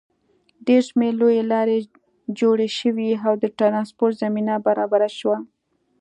ډېر شمېر لویې لارې جوړې شوې او د ټرانسپورټ زمینه برابره شوه.